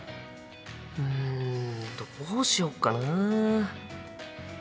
うんどうしよっかな？